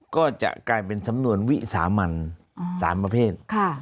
ก็จะกลายเป็นสำนวนวิสามัน๓ประเภท